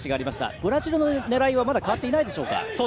ブラジルの狙いは変わっていないでしょうか。